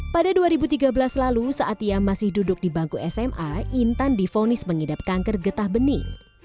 pada dua ribu tiga belas lalu saat ia masih duduk di bangku sma intan difonis mengidap kanker getah bening